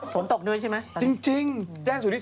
สนตกด้วยใช่ไหม